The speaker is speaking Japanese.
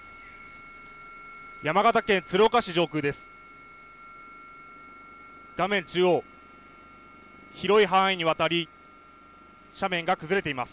山形県鶴岡市上空です。